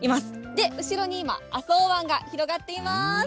で、後ろに今、あそ湾が広がっています。